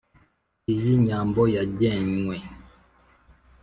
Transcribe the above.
iyi nyambo yangennye